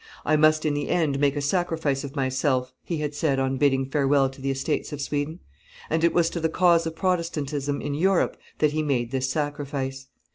"I must in the end make a sacrifice of myself," he had said on bidding farewell to the Estates of Sweden; and it was to the cause of Protestantism in Europe that he made this sacrifice.